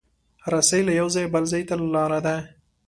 رسۍ له یو ځایه بل ځای ته لاره ده.